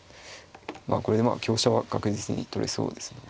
これでまあ香車は確実に取れそうですので。